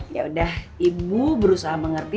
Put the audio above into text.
yaudah ibu berusaha mengerti